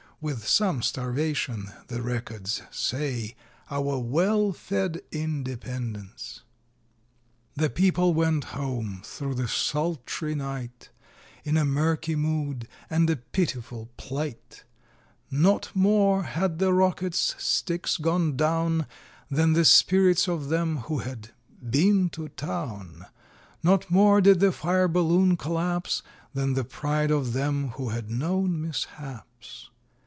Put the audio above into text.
_ (With some starvation, the records say,) Our well fed Independence! VII. The people went home through the sultry night, In a murky mood and a pitiful plight; Not more had the rockets' sticks gone down, Than the spirits of them who had "been to town;" Not more did the fire balloon collapse, Than the pride of them who had known mishaps.